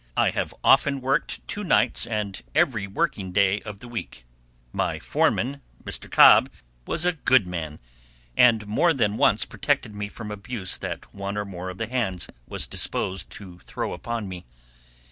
I have often worked two nights and every working day of the week. My foreman, Mr. Cobb, was a good man, and more than once protected me from abuse that one or more of the hands was disposed to throw upon me.